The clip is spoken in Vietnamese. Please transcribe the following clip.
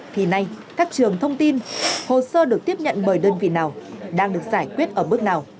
thì nay các trường thông tin hồ sơ được tiếp nhận bởi đơn vị nào đang được giải quyết ở bước nào